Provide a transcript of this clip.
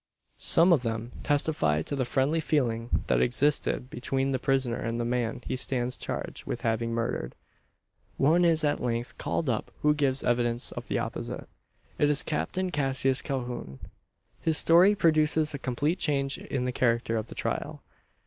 Some of them testify to the friendly feeling that existed between the prisoner and the man he stands charged with having murdered. One is at length called up who gives evidence of the opposite. It is Captain Cassius Calhoun. His story produces a complete change in the character of the trial.